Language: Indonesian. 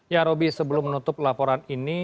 ya roby sebelum menutup laporan ini